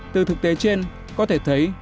từ thực tế trên có thể thấy